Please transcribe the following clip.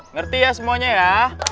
ngerti ya semuanya ya